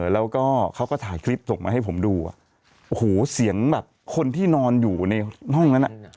แล้วก็เขาก็ถ่ายคลิปส่งมาให้ผมดูอ่ะโอ้โหเสียงแบบคนที่นอนอยู่ในห้องนั้นอ่ะ